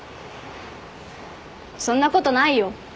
そんなことないよ。